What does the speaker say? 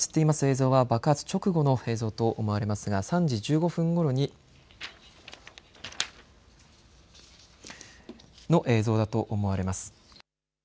今、映っています映像は爆発直後の映像と思われますが３時１５分ごろの映像だと思われます。